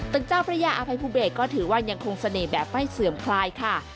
เจ้าพระยาอภัยภูเบศก็ถือว่ายังคงเสน่ห์แบบไม่เสื่อมคลายค่ะ